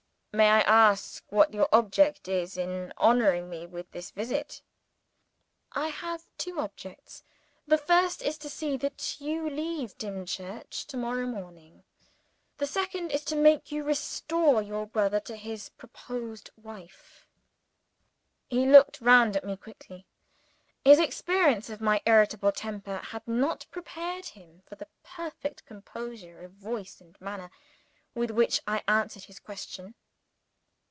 "May I ask what your object is in honoring me with this visit?" "I have two objects. The first is to see that you leave Dimchurch to morrow morning. The second is to make you restore your brother to his promised wife." He looked round at me quickly. His experience of my irritable temper had not prepared him for the perfect composure of voice and manner with which I answered his question.